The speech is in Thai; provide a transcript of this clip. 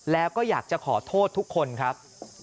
แล้วก็อยากจะขอโทษทุกคนครับ